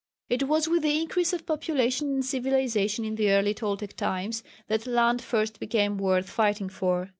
It was with the increase of population and civilization in the early Toltec times that land first became worth fighting for.